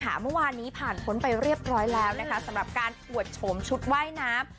เมื่อวานนี้ผ่านพ้นไปเรียบร้อยแล้วนะคะสำหรับการอวดโฉมชุดว่ายน้ำ